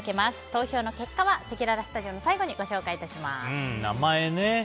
投票の結果はせきららスタジオの最後に名前ね。